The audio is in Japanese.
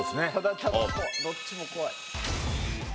どっちも怖い。